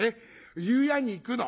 湯屋に行くの」。